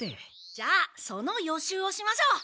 じゃあその予習をしましょう！